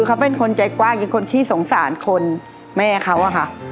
เขาเป็นคนใจกว้างเป็นคนขี้สงสารคนแม่เขาอะค่ะ